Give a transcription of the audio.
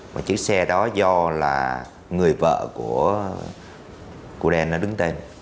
và chiếc xe đó do là người vợ của cụ đen nó đứng tên